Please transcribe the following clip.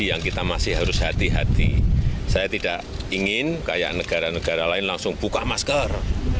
yang kita masih harus hati hati saya tidak ingin kayak negara negara lain langsung buka masker